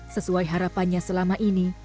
sesuai harapannya selama ini